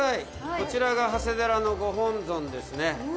こちらが長谷寺のご本尊ですね。